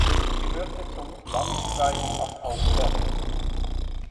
Sie gehörte zum Landkreis Anhalt-Zerbst.